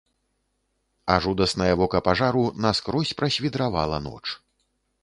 А жудаснае вока пажару наскрозь прасвідравала ноч.